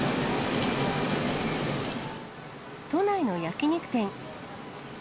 都内の焼き肉店。